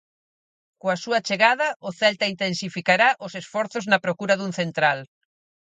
Coa súa chegada, o Celta intensificará os esforzos na procura dun central.